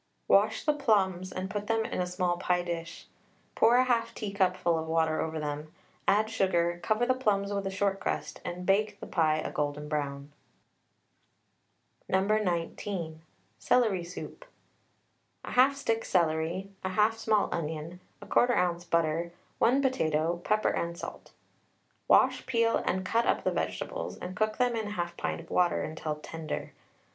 Wash the plums and put them in a small pie dish, pour 1/2 teacupful of water over them, add sugar, cover the plums with a short crust, and bake the pie a golden brown. No. 19. CELERY SOUP. 1/2 stick celery, 1/2 small onion, 1/4 oz. butter, 1 potato, pepper and salt. Wash, peel, and cut up the vegetables, and cook them in 1/2 pint of water till tender.